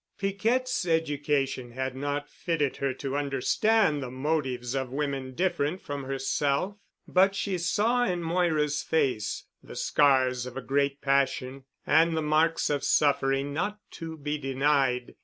Piquette's education had not fitted her to understand the motives of women different from herself, but she saw in Moira's face the scars of a great passion and the marks of suffering not to be denied.